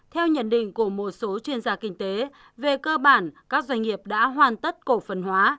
theo nhận định của một số chuyên gia kinh tế về cơ bản các doanh nghiệp đã hoàn tất cổ phần hóa